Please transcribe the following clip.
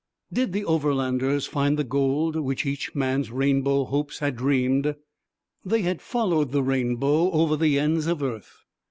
Did the Overlanders find the gold which each man's rainbow hopes had dreamed? They had followed the rainbow over the ends of earth.